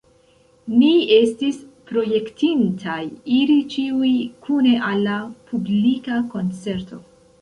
Ni estis projektintaj iri ĉiuj kune al la publika koncerto.